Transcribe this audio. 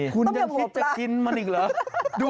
คุณยังพอจะกินมันอีกเหรอ